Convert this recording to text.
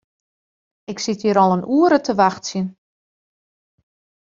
Ik sit hjir al in oere te wachtsjen.